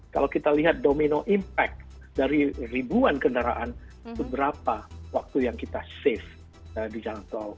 kalau kita lihat domino impact dari ribuan kendaraan itu berapa waktu yang kita safe di jalan tol